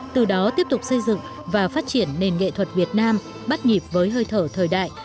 từ đó tiếp tục xây dựng và phát triển nền nghệ thuật việt nam bắt nhịp với hơi thở thời đại